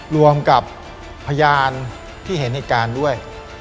รวมกับพยานที่เห็นเหตุการณ์ด้วย